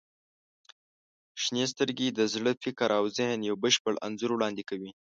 • شنې سترګې د زړه، فکر او ذهن یو بشپړ انځور وړاندې کوي.